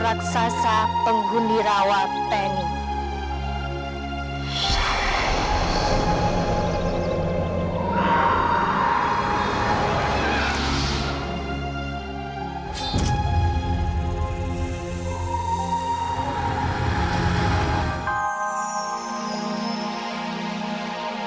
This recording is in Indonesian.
raksasa penggunir awal panji